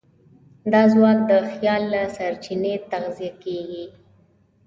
دا ځواک د خیال له سرچینې تغذیه کېږي.